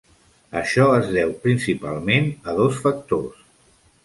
Això es deu principalment a dos factors.